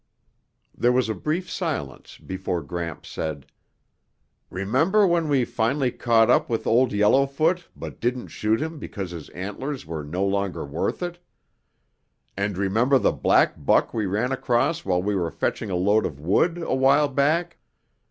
There was a brief silence before Gramps said, "Remember when we finally caught up with Old Yellowfoot but didn't shoot him because his antlers were no longer worth it? And remember the black buck we ran across while we were fetching a load of wood a while back?